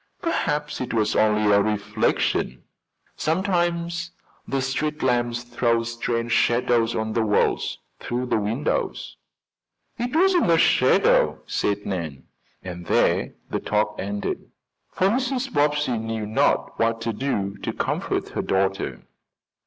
"Perhaps it was only a reflection. Sometimes the street lamps throw strange shadows on the walls through the windows." "It wasn't a shadow," said Nan; and there the talk ended, for Mrs. Bobbsey knew not what to say to comfort her daughter.